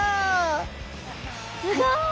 すごい！